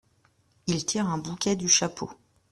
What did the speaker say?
Il tire un bouquet du chapeau.